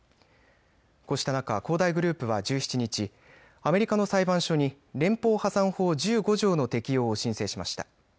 こうした中、恒大グループは１７日、アメリカの裁判所に連邦破産法１５条の適用を申請しました。